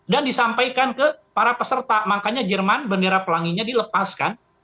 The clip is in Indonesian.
dan disampaikan ke para peserta makanya jerman bendera pelanginya dilepaskan